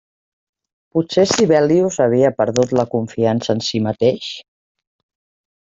Potser Sibelius havia perdut la confiança en si mateix?